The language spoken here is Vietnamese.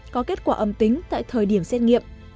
có kết quả âm tính tại thời điểm xét nghiệm